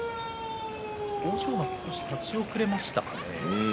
欧勝馬、少し立ち遅れましたかね。